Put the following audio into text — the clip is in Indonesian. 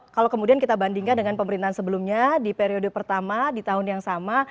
kalau kemudian kita bandingkan dengan pemerintahan sebelumnya di periode pertama di tahun yang sama